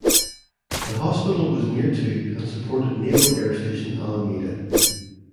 The hospital was near to and supported Naval Air Station Alameda.